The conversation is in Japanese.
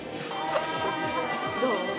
どう？